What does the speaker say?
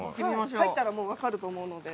入ったらもう分かると思うので。